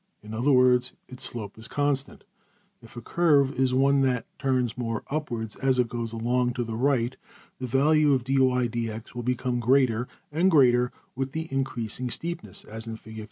In other words its \emph{slope} is constant. \Figure{092a} If a curve is one that turns more upwards as it goes along to the right, the values of~$\dfrac{dy}{dx}$ will become greater and greater with the increasing steepness, as in \Fig.